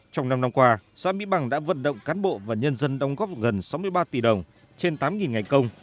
trong năm năm qua xã mỹ bằng đã vận động cán bộ và nhân dân đóng góp gần sáu mươi ba tỷ đồng trên tám ngày công